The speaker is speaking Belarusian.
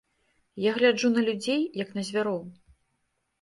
Я гляджу на людзей, як на звяроў.